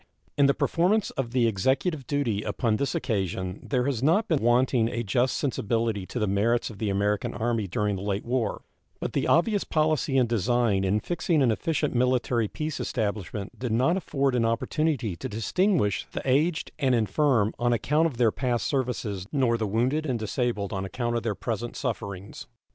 In the performance of the Executive duty upon this occasion there has not been wanting a just sensibility to the merits of the American Army during the late war; but the obvious policy and design in fixing an efficient military peace establishment did not afford an opportunity to distinguish the aged and infirm on account of their past services nor the wounded and disabled on account of their present sufferings.